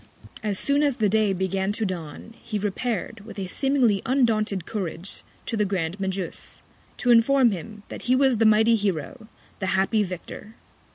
As soon as the Day began to dawn, he repair'd, with a seemingly undaunted Courage, to the Grand Magus, to inform him, that he was the mighty Hero, the happy Victor.